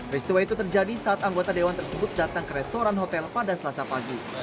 peristiwa itu terjadi saat anggota dewan tersebut datang ke restoran hotel pada selasa pagi